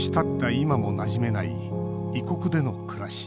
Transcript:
今もなじめない異国での暮らし。